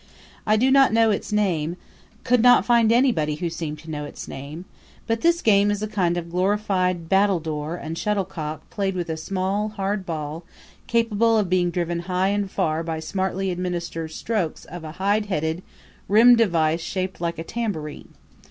I do not know its name could not find anybody who seemed to know its name but this game is a kind of glorified battledore and shuttlecock played with a small, hard ball capable of being driven high and far by smartly administered strokes of a hide headed, rimmed device shaped like a tambourine.